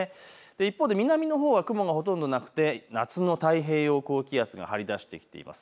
一方で南のほうは雲がほとんどなくて夏の太平洋高気圧が張り出してきています。